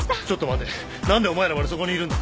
何でお前らまでそこにいるんだ！？